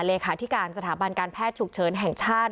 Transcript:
เลขาธิการสถาบันการแพทย์ฉุกเฉินแห่งชาติ